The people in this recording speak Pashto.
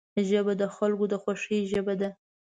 ژبه د خلکو د خوښۍ ژبه ده